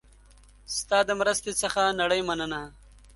ستا د مرستې څخه نړۍ مننه